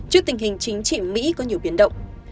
trước tình hình chính trị mỹ có nhiều biến động